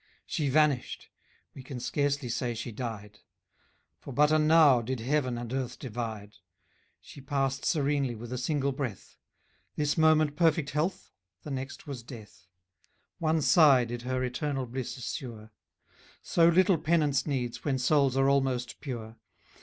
She vanished, we can scarcely say she died; For but a now did heaven and earth divide: She passed serenely with a single breath; This moment perfect health, the next was death: One sigh did her eternal bliss assure; So little penance needs, when souls are almost pure.